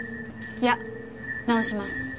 いや直します。